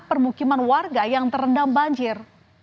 permukiman warga yang terendam banjir